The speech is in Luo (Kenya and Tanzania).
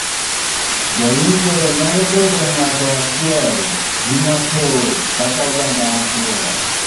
Jawinjio nyalo bedo ng'ato achiel, ji mathoth kata oganda buora.